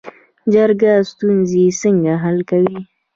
جرګه ستونزې څنګه حل کوي؟